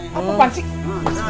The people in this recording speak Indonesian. mau kemana gue